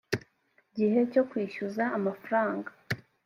gihe cyo kwishyuza amafaranga